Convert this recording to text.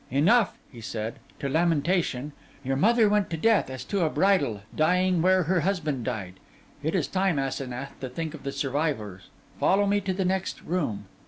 'Enough,' he said, 'to lamentation. Your mother went to death as to a bridal, dying where her husband died. It is time, Asenath, to think of the survivors. Follow me to the next room.